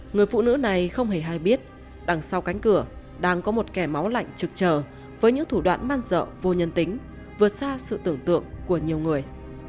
người phụ nữ này không hề hay biết đằng sau cánh cửa đang có một kẻ máu lạnh trực chờ với những thủ đoạn man dợ vô nhân tính vượt xa sự tưởng tượng của nhiều người